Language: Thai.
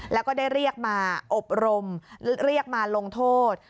แล้วก็ได้เรียกมาอบรมเรียกมาลงโทษ